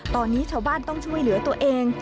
ตอนนี้ชาวบ้านต้องช่วยเหลือตัวเอง